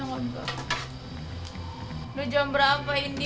udah jam berapa ini